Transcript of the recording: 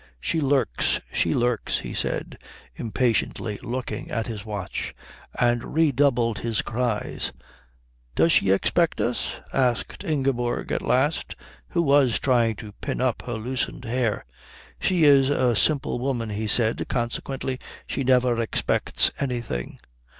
"She lurks, she lurks," he said, impatiently looking at his watch; and redoubled his cries. "Does she expect us?" asked Ingeborg at last, who was trying to pin up her loosened hair. "She is a simple woman," he said, "consequently she never expects anything."